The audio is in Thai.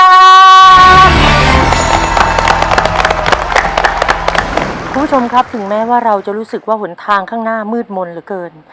คุณผู้ชมครับถึงแม้ว่าเราจะรู้สึกว่าหนทางข้างหน้ามืดมนต์เหลือเกิน